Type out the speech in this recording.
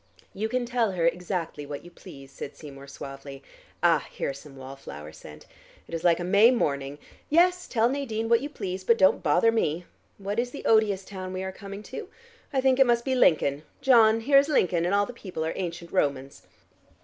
"You can tell her exactly what you please," said Seymour suavely. "Ah, here is some wall flower scent. It is like a May morning. Yes, tell Nadine what you please, but don't bother me. What is the odious town we are coming to? I think it must be Lincoln. John, here is Lincoln, and all the people are ancient Romans."